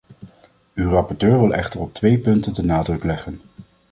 Uw rapporteur wil echter op twee punten de nadruk leggen.